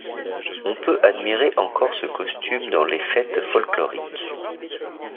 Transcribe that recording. On peut admirer encore ce costume dans les fêtes folkloriques.